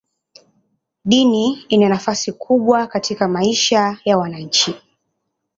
Dini ina nafasi kubwa katika maisha ya wananchi.